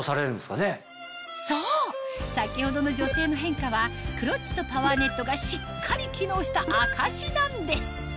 先程の女性の変化はクロッチとパワーネットがしっかり機能した証しなんです